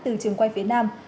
từ trường quay phía nam